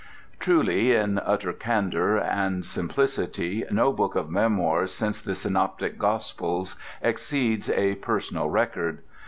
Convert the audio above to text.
Truly in utter candour and simplicity no book of memoirs since the synoptic gospels exceeds "A Personal Record."